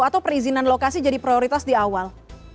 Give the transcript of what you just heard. atau perizinan lokasi jadi prioritas di awal